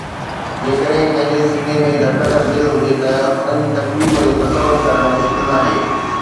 جيڪڏهن ڪنهن جي سيني ۾ ڌڙڪندڙ دل هجي ته انهن جي تڪليف جو تصور ڪرڻ مشڪل ناهي.